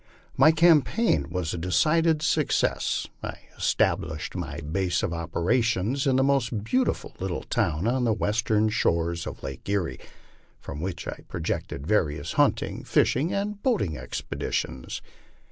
My campaign was a decided suc cess. I established my base of operations in a most beautiful little town on the western shores of Lake Erie, from which I projected various hunting, fish ing, and boating expeditions.